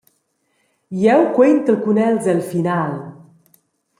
Jeu quentel cun els el final.